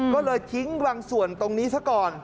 ก็เลยทิ้งบางส่วนตรงนี้ซะก่อน